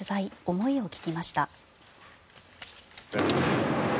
思いを聞きました。